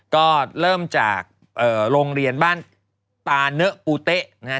ก็เริ่มจากโรงเรียนบ้านตาเนอปูเต๊ะนะฮะ